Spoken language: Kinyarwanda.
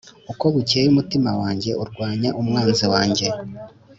Uko bukeye mutima wanjye urwanya umwanzi wanjye